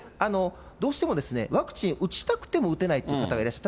どうしても、ワクチン打ちたくても打てないという方がいらっしゃる。